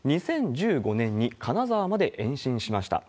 ２０１５年に金沢まで延伸しました。